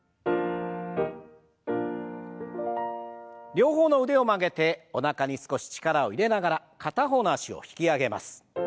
両方の腕を曲げておなかに少し力を入れながら片方の脚を引き上げます。